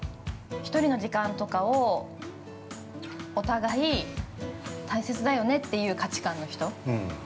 ◆１人の時間とかをお互い大切だよねっていう価値観の人。